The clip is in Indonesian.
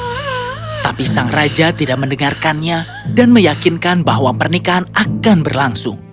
tapi sang raja tidak mendengarkannya dan meyakinkan bahwa pernikahan akan berlangsung